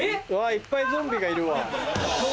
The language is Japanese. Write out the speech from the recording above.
いっぱいゾンビがいるわ。